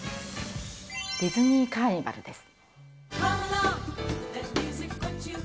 ディズニー・カーニバルです。